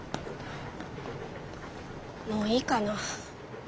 もういいかな。